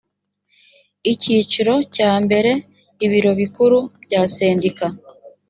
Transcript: icyiciro cya mbere ibiro bikuru bya sendika